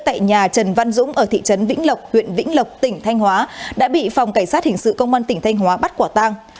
tại nhà trần văn dũng ở thị trấn vĩnh lộc huyện vĩnh lộc tỉnh thanh hóa đã bị phòng cảnh sát hình sự công an tỉnh thanh hóa bắt quả tang